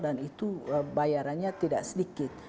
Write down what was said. dan itu bayarannya tidak sedikit